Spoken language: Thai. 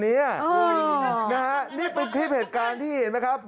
เนี้ยอ้อน่านี่เป็นคลิปเหตุการณ์ที่เห็นได้มั้ยครับ